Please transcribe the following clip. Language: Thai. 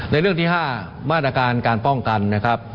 เรื่องที่๕มาตรการการป้องกันนะครับ